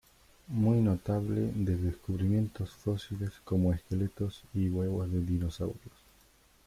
Muy notable de descubrimientos fósiles como esqueletos y huevos de dinosaurios.